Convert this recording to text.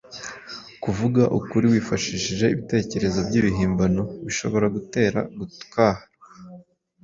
Kuvuga ukuri wifashishije ibitekerezo by’ibihimbano bishobora gutera gutwarwa,